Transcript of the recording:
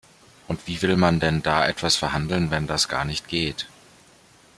Und wie will man denn da etwas verhandeln, wenn das gar nicht geht?